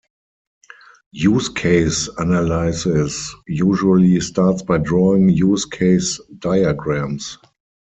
Use case analysis usually starts by drawing use case diagrams.